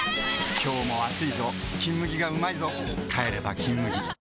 今日も暑いぞ「金麦」がうまいぞ帰れば「金麦」わぁ！